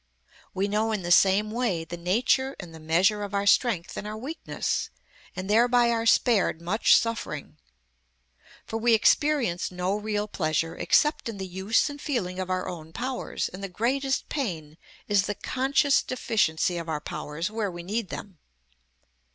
We know in the same way the nature and the measure of our strength and our weakness, and thereby are spared much suffering. For we experience no real pleasure except in the use and feeling of our own powers, and the greatest pain is the conscious deficiency of our powers where we need them.